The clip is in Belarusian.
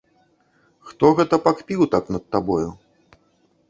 Хто гэта пакпіў так над табою?